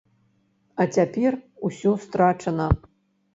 А цяпер усё страчана.